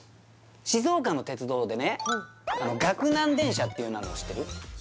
静岡の鉄道でね岳南電車っていうのあるの知ってる？